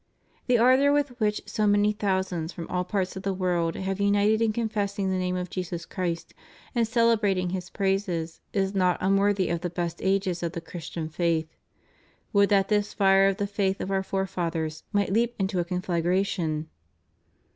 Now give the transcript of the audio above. The ardor with v^hich so many thousands from ail parts of the world have imited in confessing the name of Jesus Christ and celebrating His praises is not unworthy of the best ages of the Christian faith. Would that this fire of the faith of our forefathers might leap into a conflagra tion!